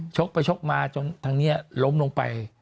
กไปชกมาจนทางนี้ล้มลงไป